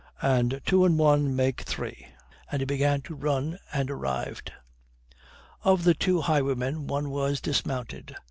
"And two and one make three," and he began to run, and arrived. Of the two highwaymen one was dismounted.